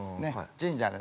神社で？